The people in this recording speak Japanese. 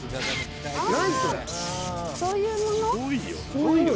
「そういうもの？」